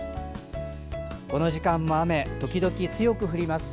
この時間も雨、時々強く降ります。